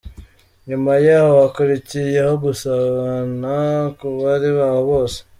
Nyuma yaho hakurikiyeho gusabana ku bari aho bose.